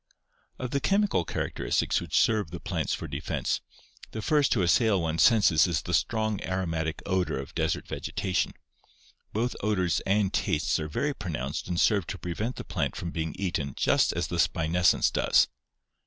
Of the chemical characteristics which serve the plants for defense, the first to assail one's senses is the strong aromatic character of desert vegetation. Both odors and tastes are very pronounced and serve to prevent the plant from being eaten just as the spinescence does.